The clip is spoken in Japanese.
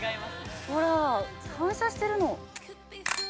ほらっ、反射してるの。